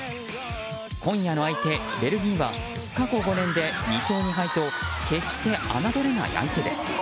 今夜の相手、ベルギーは過去５年で２勝２敗と決して侮れない相手です。